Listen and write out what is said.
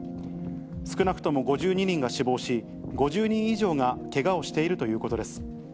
少なくとも５２人が死亡し、５０人以上がけがをしているということです。